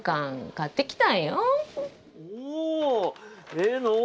ええのぉ。